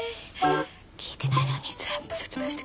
聞いてないのに全部説明してくれる。